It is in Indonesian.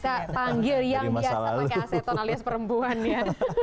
kita panggil yang biasa pakai aseton alias perempuan ya